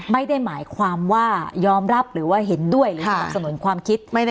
ไม่ได้หมายความว่ายอมรับหรือว่าเห็นด้วยหรือสนับสนุนความคิด